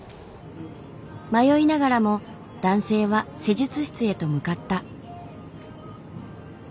迷いながらも男性は施術室へと向かった。